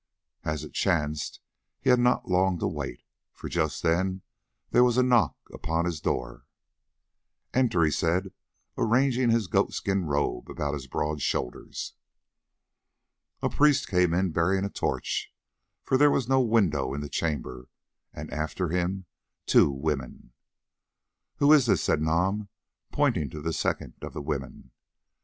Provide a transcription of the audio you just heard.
As it chanced he had not long to wait, for just then there was a knock upon his door. "Enter," he said, arranging his goat skin robe about his broad shoulders. A priest came in bearing a torch, for there was no window to the chamber, and after him two women. "Who is this?" said Nam, pointing to the second of the women.